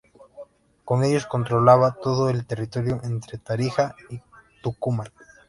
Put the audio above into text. Con ellos controlaba todo el territorio entre Tarija y Tucumán.